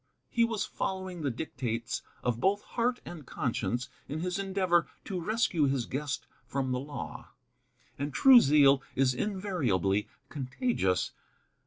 He was following the dictates of both heart and conscience in his endeavor to rescue his guest from the law; and true zeal is invariably contagious.